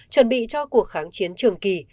chuẩn bị cho cuộc kháng chiến trường kỳ